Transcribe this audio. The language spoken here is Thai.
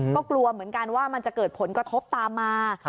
ก็กลัวเหมือนกันว่ามันจะเกิดผลกระทบตามมา